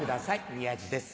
宮治です。